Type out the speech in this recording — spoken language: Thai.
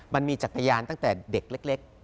มันมีจักรยานตั้งแต่เด็กเล็ก